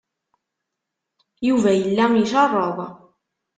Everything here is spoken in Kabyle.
Yuba yella icerreḍ.